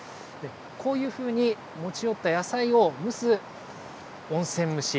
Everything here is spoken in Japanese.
こういうふうに持ち寄った野菜を蒸す温泉蒸し。